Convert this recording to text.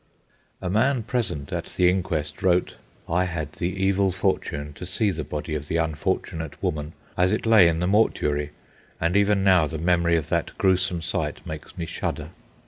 A man present at the inquest wrote: "I had the evil fortune to see the body of the unfortunate woman as it lay in the mortuary; and even now the memory of that gruesome sight makes me shudder.